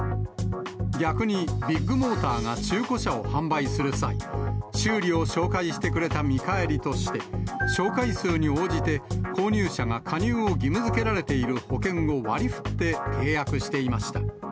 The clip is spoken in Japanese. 逆にビッグモーターが中古車を販売する際、修理を紹介してくれた見返りとして、紹介数に応じて、購入者が加入を義務づけられている保険を割りふって契約していました。